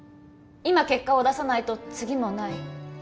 今結果を出さないと次もない